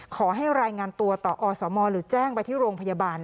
ขอให้รายงานตัวต่ออสมหรือแจ้งไปที่โรงพยาบาล